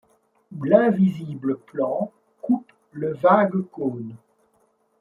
Où l’invisible plan coupe le vague cône